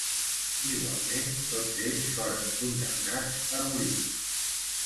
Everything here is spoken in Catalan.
Igualment, tots ells foren condemnats a morir.